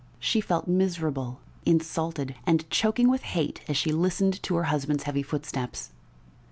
She felt miserable, insulted, and choking with hate as she listened to her husband's heavy footsteps.